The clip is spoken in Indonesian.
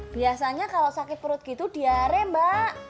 biasanya kalau sakit perut gitu diare mbak